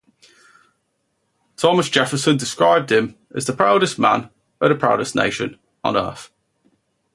Thomas Jefferson described him as "the proudest man of the proudest nation on earth".